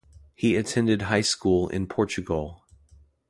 He attended high school in Portugal.